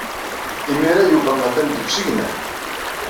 Imir-a, Yuba atan deg usegnaf.